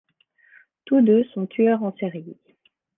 Tous deux sont tueurs en série.